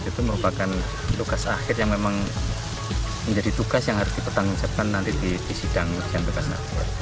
dan itu merupakan tugas akhir yang memang menjadi tugas yang harus dipertanggungjawabkan nanti di sidang pijakan tugas akhir